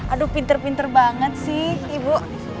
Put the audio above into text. aduh pinter pinter banget sih ibu